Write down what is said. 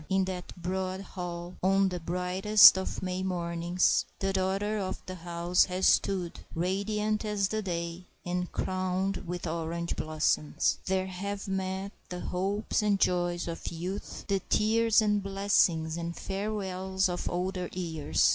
In that broad hall, on the brightest of May mornings, the daughter of the house has stood, radiant as the day, and crowned with orange blossoms. There have met the hopes and joys of youth, the tears and blessings and farewells of older years.